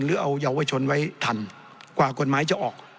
หรือเอาเยาวชนไว้ทันกว่ากฎหมายจะออก